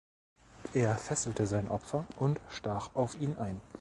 Er fesselte sein Opfer und stach auf ihn ein.